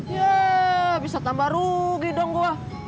yee bisa tambah rugi dong gue